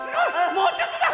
もうちょっとだ！